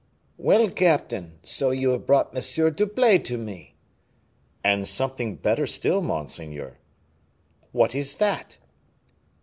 "Well, captain, so you have brought M. d'Herblay to me." "And something better still, monseigneur." "What is that?"